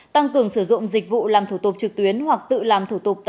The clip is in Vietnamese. tăng cường sử dụng dịch vụ làm thủ tục trực tuyến hoặc tự làm thủ tục